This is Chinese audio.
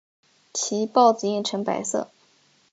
其孢子印呈白色。